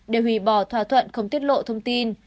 để hủy bỏ thỏa thuận không tiết lộ thông tin